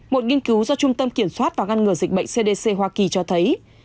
một nghiên cứu do trung tâm kiểm soát và ngăn ngừa dịch bệnh cdc hoa kỳ cho thấy